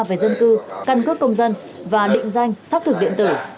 về dân cư căn cước công dân và định danh sắc thường điện tử